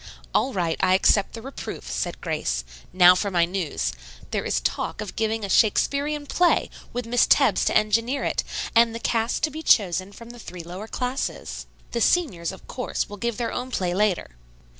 "All right; I accept the reproof," said Grace. "Now for my news. There is talk of giving a Shakespearian play, with Miss Tebbs to engineer it, and the cast to be chosen from the three lower classes. The seniors, of course, will give their own play later."